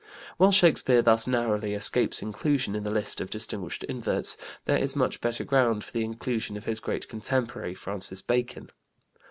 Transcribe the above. While Shakespeare thus narrowly escapes inclusion in the list of distinguished inverts, there is much better ground for the inclusion of his great contemporary, Francis Bacon.